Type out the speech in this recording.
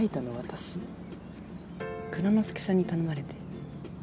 蔵之介さんに頼まれて。